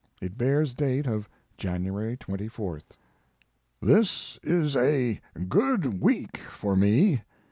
It bears date of January 24th. This is a good week for me.